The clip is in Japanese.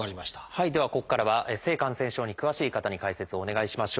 ではここからは性感染症に詳しい方に解説をお願いしましょう。